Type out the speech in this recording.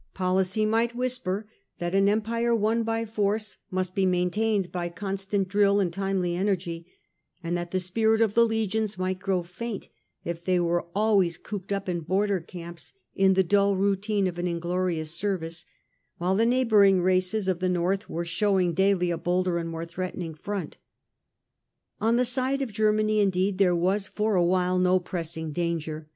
Policy one of war. might whisper that an empire won by force must be maintained by constant drill and timely energy, and that the spirit of the legions might grow faint if they were always cooped up in bolder camps in the dull routine of an inglorious service, while the neighbouring races of the north were showing daily a bolder and more threaten, ing front. On the side of Germany indeed there was for a while no pressing danger.